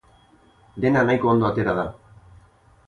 Dena nahiko ondo atera da.